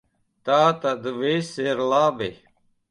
Tātad viss ir labi.